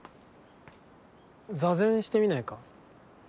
座禅してみないか？